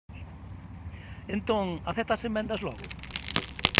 Entón ¿acepta as emendas, logo?